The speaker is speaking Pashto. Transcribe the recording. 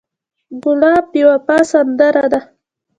ګلاب د وفا سندره ده.